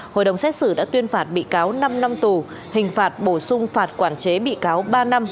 hội đồng xét xử đã tuyên phạt bị cáo năm năm tù hình phạt bổ sung phạt quản chế bị cáo ba năm